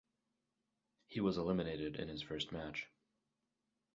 He was eliminated in his first match.